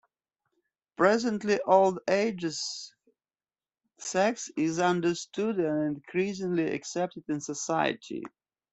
Presently old aged sex is understood and increasingly accepted in society.